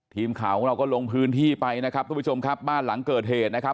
ทีมข่าวของเราก็ลงพื้นที่ไปนะครับทุกผู้ชมครับบ้านหลังเกิดเหตุนะครับ